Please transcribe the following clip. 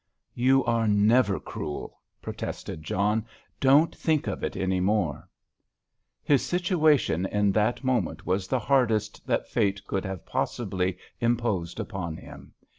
"You are never cruel," protested John. "Don't think of it any more." His situation in that moment was the hardest that Fate could have possibly imposed upon him.